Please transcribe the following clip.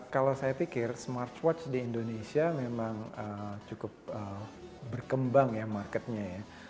kalau saya pikir smartwatch di indonesia memang cukup berkembang ya marketnya ya